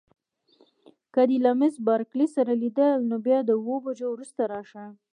که دې له میس بارکلي سره لیدل نو بیا د اوو بجو وروسته راشه.